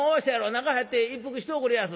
中入って一服しておくれやす」。